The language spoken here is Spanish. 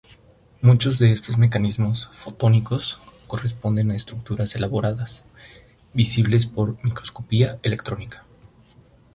Muchos de estos mecanismos fotónicos corresponden a estructuras elaboradas, visibles por microscopía electrónica.